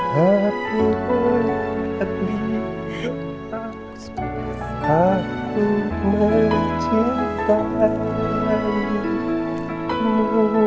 tapi dekat di doa aku merindukanmu